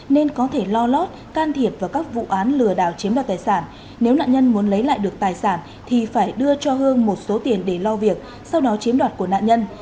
nên có thể lo lót can thiệt vào các vụ án lừa đảo chiếm đoạt tài sản nếu nạn nhân muốn lấy lại được tài sản thì phải đưa cho hương một số tiền để lo việc sau đó chiếm đoạt của nạn nhân